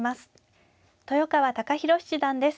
豊川孝弘七段です。